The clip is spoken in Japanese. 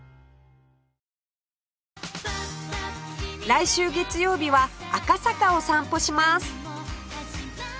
来週月曜日は赤坂を散歩します